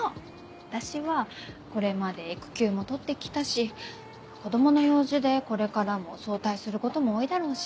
私はこれまで育休も取って来たし子供の用事でこれからも早退することも多いだろうし。